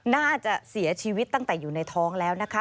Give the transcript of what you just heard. น่าจะเสียชีวิตตั้งแต่อยู่ในท้องแล้วนะคะ